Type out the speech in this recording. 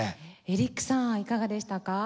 エリックさんはいかがでしたか？